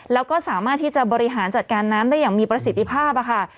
แล้วก็สามารถที่จะบริหารจัดการน้ำได้อย่างมีประสิทธิภาพค่ะ